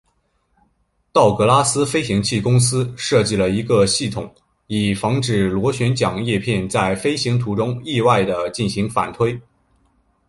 道格拉斯飞行器公司设计了一个系统以防止螺旋桨叶片在飞行途中意外地进行反推。